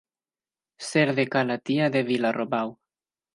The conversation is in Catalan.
Ser de ca la tia de Vila-robau.